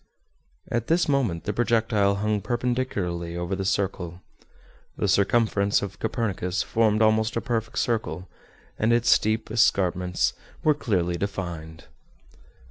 At this moment the projectile hung perpendicularly over the circle. The circumference of Copernicus formed almost a perfect circle, and its steep escarpments were clearly defined.